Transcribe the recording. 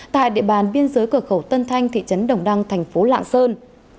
tại địa bàn biên giới cửa khẩu tân thanh thị trấn đồng đăng thành phố lạng sơn